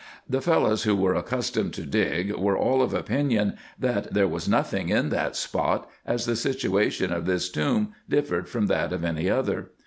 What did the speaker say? The Fellahs who were accustomed to dig wrere all of opinion, that there was nothing in that spot, as the situation of this tomb differed from that of any other.